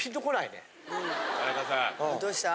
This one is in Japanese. どうした？